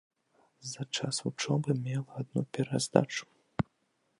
За час вучобы мела адну пераздачу.